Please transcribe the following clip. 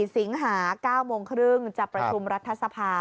สิงหา๙โมงครึ่งจะประชุมรัฐสภา